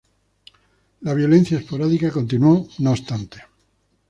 La violencia esporádica continuó, no obstante.